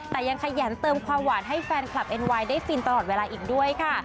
แต่ยังขยันเติมความหวานให้แฟนคลับเอ็นไวน์ได้ฟินตลอดเวลาอีกด้วยค่ะ